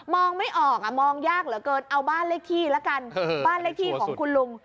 ไม่ออกมองยากเหลือเกินเอาบ้านเลขที่ละกันบ้านเลขที่ของคุณลุง